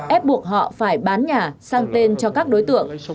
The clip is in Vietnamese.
ép buộc họ phải bán nhà sang tên cho các đối tượng